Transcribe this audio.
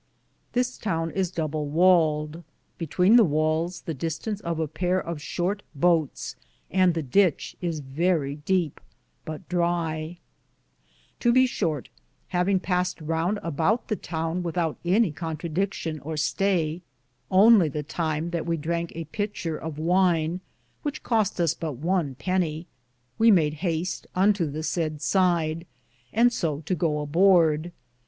This towne is Doble waled, betwixte the wales the distance of a pare of shorte butts (boats), and the ditche is verrie Depe, but drie. To be shorte, havinge paste Rounde aboute the towne with oute any contradicktion or staye, only the time that we Dranke a pitcher of wyne which coste us but one penye, we made haste unto the seaye sid, and so to goe aborde.